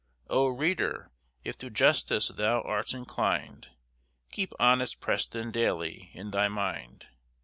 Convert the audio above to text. O reader, if to justice thou 'rt inclined, Keep honest Preston daily in thy mind.